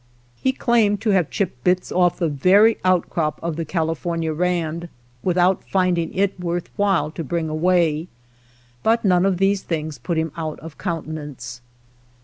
He claimed to have chipped bits off the very outcrop of the California Rand, without finding it worth while to bring away, butHrone of tlTese things put him_aut^ countenance.